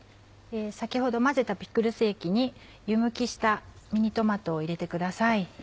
先ほど混ぜたピクルス液に湯むきしたミニトマトを入れてください。